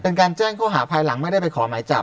เป็นการแจ้งข้อหาภายหลังไม่ได้ไปขอหมายจับ